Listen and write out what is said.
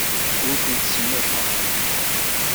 Ur ten-ttsemmiḥeɣ.